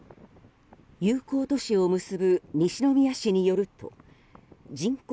友好都市を結ぶ西宮市によると人口